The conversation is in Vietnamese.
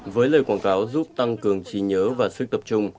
với lời quảng cáo giúp tăng cường trí nhớ và sức tập trung